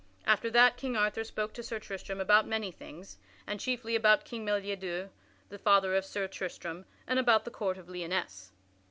After that, King Arthur spake to Sir Tristram about many things, and chiefly about King Meliadus, the father of Sir Tristram, and about the court of Lyonesse.